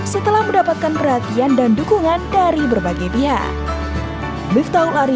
setelah mendapatkan perhatian dan dukungan dari berbagai pihak